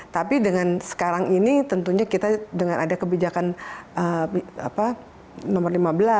tapi dengan sekarang ini tentunya kita dengan ada kebijakan nomor lima belas